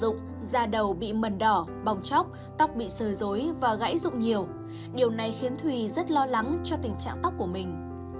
nhưng sau khi sử dụng da đầu bị mần đỏ bong chóc tóc bị sờ dối và gãy rụng nhiều điều này khiến thùy rất lo lắng cho tình trạng tóc của mình